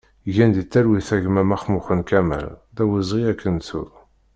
Gen di talwit a gma Maxmuxen Kamal, d awezɣi ad k-nettu!